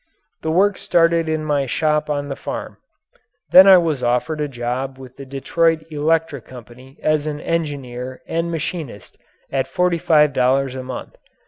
The work started in my shop on the farm. Then I was offered a job with the Detroit Electric Company as an engineer and machinist at forty five dollars a month.